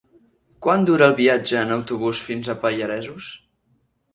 Quant dura el viatge en autobús fins als Pallaresos?